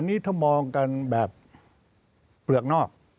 นี่ถ้ามองกันแบบเปลือกนอก